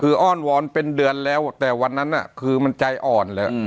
คืออ้อนวอนเป็นเดือนแล้วแต่วันนั้นคือมันใจอ่อนเลย